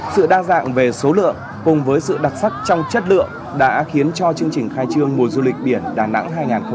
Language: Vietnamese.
sự đa dạng về số lượng cùng với sự đặc sắc trong chất lượng đã khiến cho chương trình khai trương mùa du lịch biển đà nẵng hai nghìn hai mươi bốn